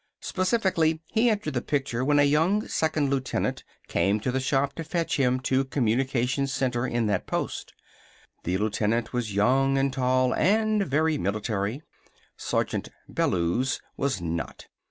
Specifically, he entered the picture when a young second lieutenant came to the shop to fetch him to Communications Center in that post. The lieutenant was young and tall and very military. Sergeant Bellews was not.